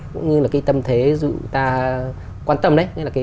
cũng như là cái tâm thế dù ta quan tâm đấy